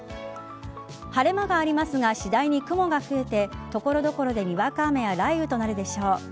晴れ間がありますが次第に雲が増えて所々でにわか雨や雷雨となるでしょう。